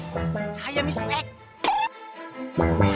saya mister x